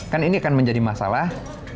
kan ini akan menjadi masalah